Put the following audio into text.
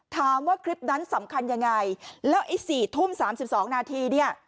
ถามว่าคลิปนั้นสำคัญยังไงแล้วไอ้๔ทุ่ม๓๒นาทีเนี่ย